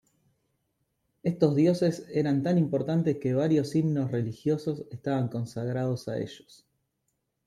Estos dioses eran tan importantes que varios himnos religiosos estaban consagrados a ellos.